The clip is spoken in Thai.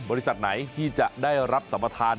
บริษัทไหนที่จะได้รับสัมปทาน